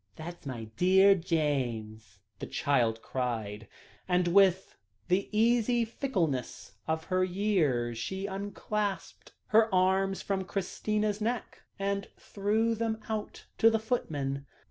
"That's my dear James," the child cried; and, with the easy fickleness of her years, she unclasped her arms from Christina's neck, and held them out to the footman.